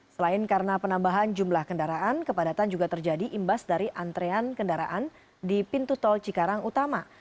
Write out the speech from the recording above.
selain karena penambahan jumlah kendaraan kepadatan juga terjadi imbas dari antrean kendaraan di pintu tol cikarang utama